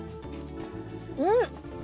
うん！